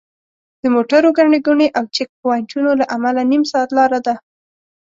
د موټرو ګڼې ګوڼې او چیک پواینټونو له امله نیم ساعت لاره ده.